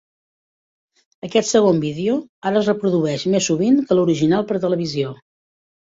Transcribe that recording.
Aquest segon vídeo ara es reprodueix més sovint que l'original per televisió.